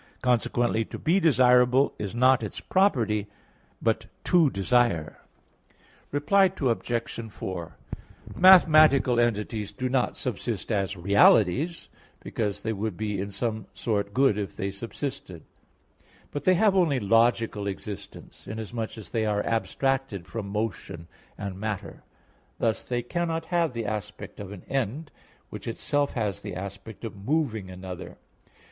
Consequently, to be desirable is not its property, but to desire. Reply Obj. 4: Mathematical entities do not subsist as realities; because they would be in some sort good if they subsisted; but they have only logical existence, inasmuch as they are abstracted from motion and matter; thus they cannot have the aspect of an end, which itself has the aspect of moving another.